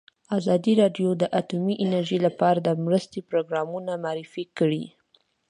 ازادي راډیو د اټومي انرژي لپاره د مرستو پروګرامونه معرفي کړي.